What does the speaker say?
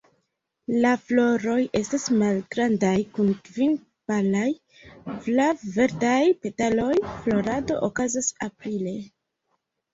La floroj estas malgrandaj, kun kvin palaj flav-verdaj petaloj; florado okazas aprile.